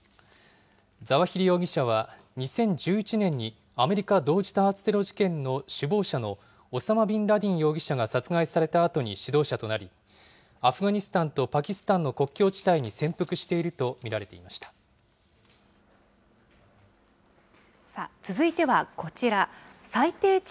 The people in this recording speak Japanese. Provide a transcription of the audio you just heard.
ザワヒリ容疑者は、２０１１年にアメリカ同時多発テロ事件の首謀者のオサマ・ビンラディン容疑者が殺害されたあとに指導者となり、アフガニスタンとパキスタンの国境地帯に潜伏していると見られて続いてはこちら。